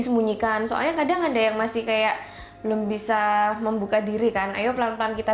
sembunyikan soalnya kadang ada yang masih kayak belum bisa membuka diri kan ayo pelan pelan kita